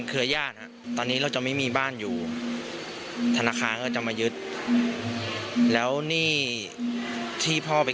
เครือญาติฮะตอนนี้เราจะไม่มีบ้านอยู่ธนาคารก็จะมายึดแล้วหนี้ที่พ่อไป